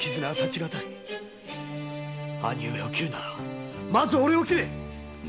兄上を斬るならまずオレを斬れ！